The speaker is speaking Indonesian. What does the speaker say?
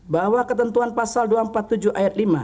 bahwa ketentuan pasal dua ratus empat puluh tujuh ayat lima